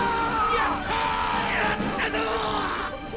やったぞォ！！